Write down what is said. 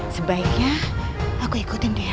sebaiknya aku ikutin dia